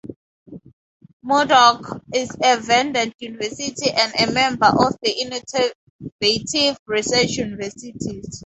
Murdoch is a verdant university and a member of the Innovative Research Universities.